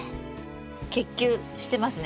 結球してますね。